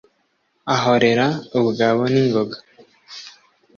ahorera bugabo ningoga.